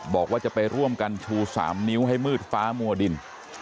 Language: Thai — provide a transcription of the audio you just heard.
บอกว่าจะไปร่วมกันชู๓นิ้วให้มืดฟ้ามัวดิน